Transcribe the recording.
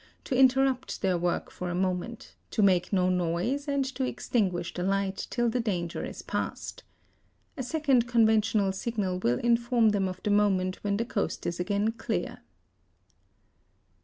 to interrupt their work for a moment, to make no noise, and to extinguish the light, till the danger is passed; a second conventional signal will inform them of the moment when the coast is again clear.